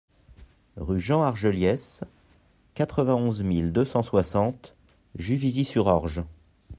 Rue Jean Argeliès, quatre-vingt-onze mille deux cent soixante Juvisy-sur-Orge